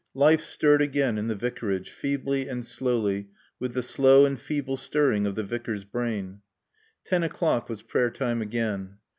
Life stirred again in the Vicarage, feebly and slowly, with the slow and feeble stirring of the Vicar's brain. Ten o'clock was prayer time again.